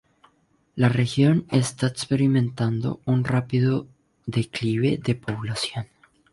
La región está experimentando una rápido declive de la población.